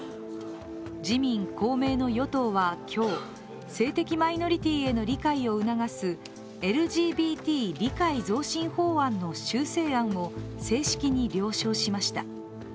自民・公明の与党は今日性的マイノリティへの理解を促すＬＧＢＴ理解増進法案の修正案を正式に了承しました。